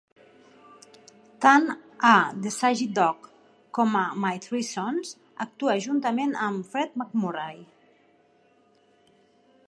Tant a "The Shaggy Dog" com a "My Three Sons", actua juntament amb Fred MacMurray.